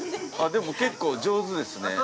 でも、結構上手ですね。